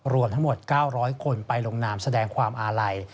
รวมทั้งหมด๙๐๐คนไปลงนามแสดงความอาลัย